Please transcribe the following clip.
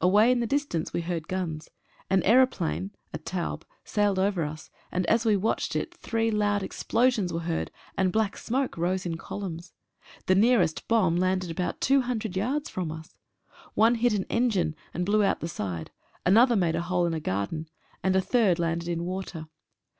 Away in the distance we heard 12 UNDER FIRE. guns. An aeroplane (a taube) sailed over us, and as we watched it three loud explosions were heard, and black smoke rose in columns. The nearest bomb landed about two hundred yards from us. One hit an engine and blew out the side, another made a hole in a garden, and the third landed in water.